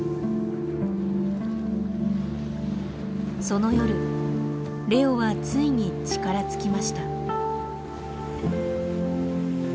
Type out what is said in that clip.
その夜レオはついに力尽きました。